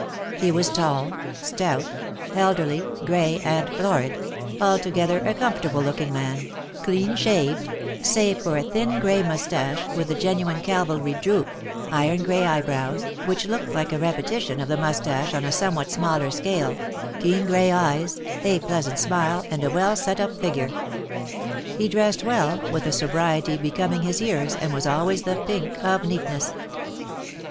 He was tall, stout, elderly, grey, and florid — altogether a comfortable looking man, clean shaved, save for a thin grey moustache with the genuine cavalry droop,, iron grey eyebrows, which looked like a repetition of the moustache on a somewhat smaller scale, keen grey eyes, a pleasant smile, and a well set up figure. He dressed well, with a sobriety becoming his years, and was always the pink of neatness.